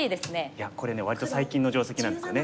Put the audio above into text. いやこれ割と最近の定石なんですよね。